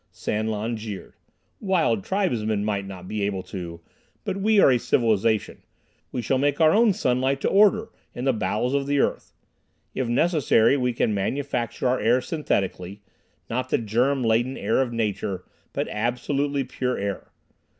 San Lan jeered. "Wild tribesmen might not be able to, but we are a civilization. We shall make our own sunlight to order in the bowels of the earth. If necessary, we can manufacture our air synthetically; not the germ laden air of Nature, but absolutely pure air.